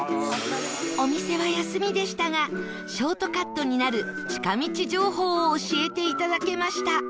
お店は休みでしたがショートカットになる近道情報を教えていただけました